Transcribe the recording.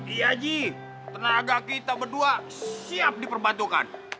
iya ji tenaga kita berdua siap diperbantukan